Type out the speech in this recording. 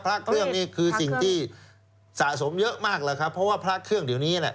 พระเครื่องนี่คือสิ่งที่สะสมเยอะมากแล้วครับเพราะว่าพระเครื่องเดี๋ยวนี้แหละ